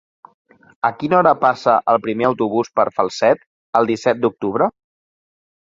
A quina hora passa el primer autobús per Falset el disset d'octubre?